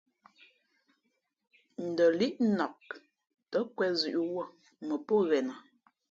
Ndα līʼ nak tα nkwēn zʉ̌ʼ wūᾱ mα pō ghenα.